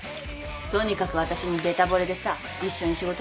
とにかく私にべたぼれでさ一緒に仕事したいんだって。